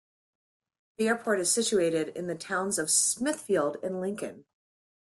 The airport is situated in the towns of Smithfield and Lincoln.